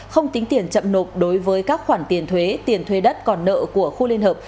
không tính tiền chậm nộp đối với các khoản tiền thuế tiền thuê đất còn nợ của khu liên hợp